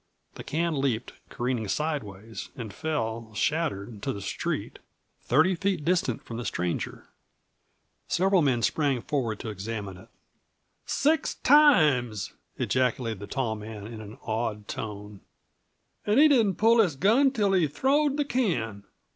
The can leaped, careened sideways, and fell, shattered, to the street, thirty feet distant from the stranger. Several men sprang forward to examine it. "Six times!" ejaculated the tall man in an awed tone. "An' he didn't pull his gun till he'd throwed the can!"